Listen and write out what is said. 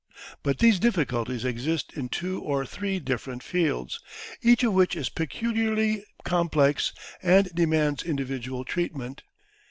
But these difficulties exist in two or three different fields, each of which is peculiarly complex and demands individual treatment.